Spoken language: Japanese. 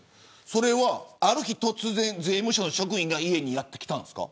それは、ある日突然税務署の職員が家にやって来たんですか。